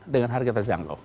dengan harga terjangkau